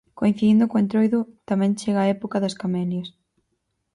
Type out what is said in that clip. Coincidindo co entroido, tamén chega a época das camelias.